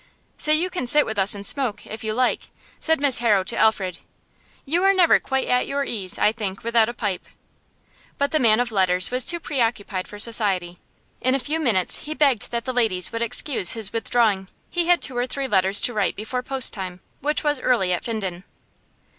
'So you can sit with us and smoke, if you like,' said Miss Harrow to Alfred. 'You are never quite at your ease, I think, without a pipe.' But the man of letters was too preoccupied for society. In a few minutes he begged that the ladies would excuse his withdrawing; he had two or three letters to write before post time, which was early at Finden.